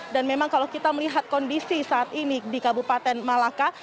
dan memang kalau kita melihat kondisi saat ini di kabupaten malaka